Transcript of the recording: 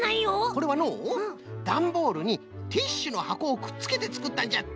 これはのうだんボールにティッシュのはこをくっつけてつくったんじゃって。